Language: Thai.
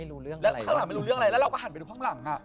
แล้วเราก็หันไปดูข้างหลัง